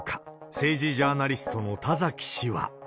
政治ジャーナリストの田崎氏は。